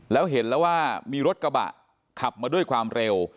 แล้วเห็นแล้วว่ามีรถกระบะขับมาด้วยความเร็ว